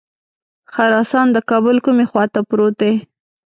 خراسان د کابل کومې خواته پروت دی.